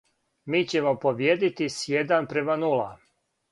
Ми ћемо побиједити с један према нула.